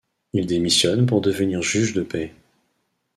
Il démissionne pour devenir juge de paix.